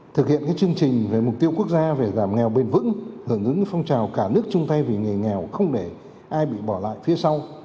thực hiện chương trình về mục tiêu quốc gia về giảm nghèo bền vững hưởng ứng phong trào cả nước chung tay vì người nghèo không để ai bị bỏ lại phía sau